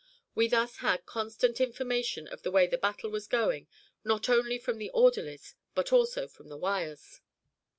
We thus had constant information of the way the battle was going, not only from the orderlies, but also from the wires.